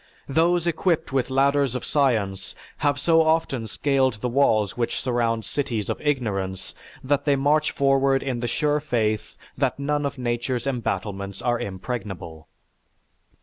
Those equipped with ladders of science have so often scaled the walls which surround cities of ignorance that they march forward in the sure faith that none of Nature's battlements are impregnable."